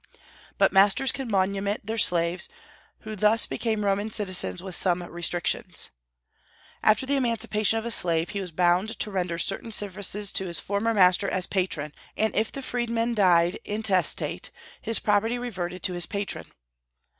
But masters could manumit their slaves, who thus became Roman citizens with some restrictions. After the emancipation of a slave, he was bound to render certain services to his former master as patron, and if the freedman died intestate his property reverted to his patron.